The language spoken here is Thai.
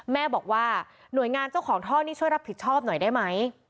แม่บอกว่าหน่วยงานเจ้าของท่อนี้ช่วยรับผิดชอบหน่อยได้ไหม